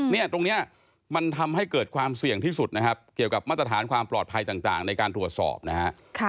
เนี่ยตรงนี้มันทำให้เกิดความเสี่ยงที่สุดนะครับเกี่ยวกับมาตรฐานความปลอดภัยต่างในการตรวจสอบนะฮะ